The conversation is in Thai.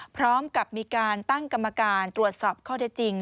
พร้อมกับมีการตั้งกรรมการตรวจสอบข้อเท็จจริง